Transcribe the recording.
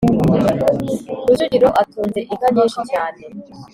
Rujugiro atunze inka nyinshi cyane